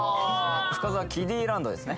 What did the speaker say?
深澤キデイランドですね